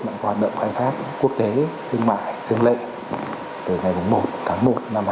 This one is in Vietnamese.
các hoạt động khai thác quốc tế thương mại thương lệ từ ngày một tháng một năm hai nghìn hai mươi hai